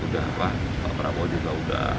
udah pak prabowo juga udah